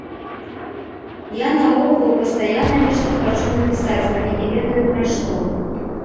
Я, наогул, пастаянна нешта хачу напісаць, але не ведаю пра што.